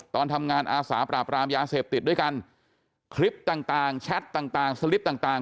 ตอนทำงานอาสาปราบรามยาเสพติดด้วยกันคลิปต่างแชทต่างสลิปต่าง